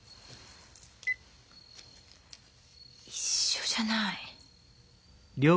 一緒じゃない。